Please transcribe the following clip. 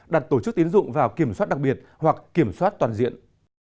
đặt tổ chức tiến dụng vào kiểm soát đặc biệt hoặc kiểm soát toàn diện